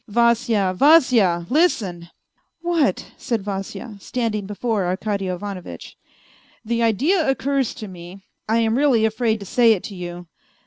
" Vasya, Vasya, listen !"" What ?" said Vasya, standing before Arkady Ivanovitch. " The idea occurs to me ; I am really afraid to say it to you.